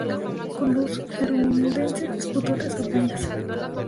Con los gerundenses disputó tres campañas.